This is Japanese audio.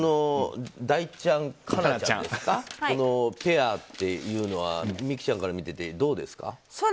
大ちゃん、哉中ちゃんペアっていうのは美姫ちゃんから見ててどうですか？